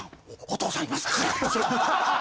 お父さんいます。